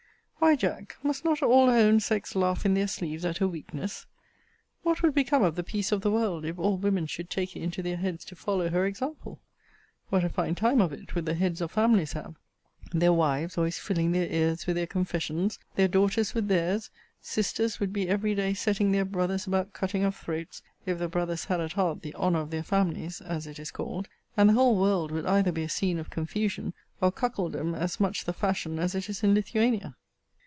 Why, Jack, must not all her own sex laugh in their sleeves at her weakness? what would become of the peace of the world, if all women should take it into their heads to follow her example? what a fine time of it would the heads of families have? Their wives always filling their ears with their confessions; their daughters with theirs: sisters would be every day setting their brothers about cutting of throats, if the brothers had at heart the honour of their families, as it is called; and the whole world would either be a scene of confusion; or cuckoldom as much the fashion as it is in Lithuania.